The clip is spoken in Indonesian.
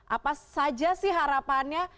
apa saja sih harapannya